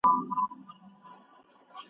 آيا ماشیني کیدل زموږ ژوند اسانه کوي؟